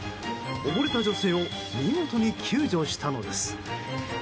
溺れた女性を見事に救助したのです。